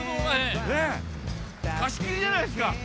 貸し切りじゃないですか。